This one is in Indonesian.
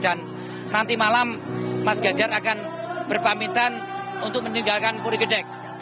dan nanti malam mas ganjar akan berpamitan untuk meninggalkan puri gedek